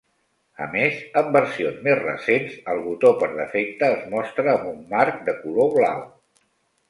A més, en versions més recents, el botó per defecte es mostra amb un marc de color blau.